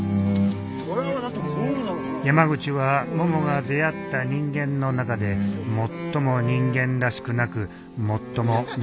山口はももが出会った人間の中で最も人間らしくなく最も人間らしかった。